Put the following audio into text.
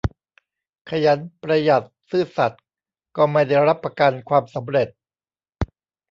ขยัน ประหยัด ซื่อสัตย์ ก็ไม่ได้รับประกันความสำเร็จ